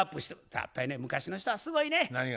やっぱりね昔の人はすごいね職人さんは。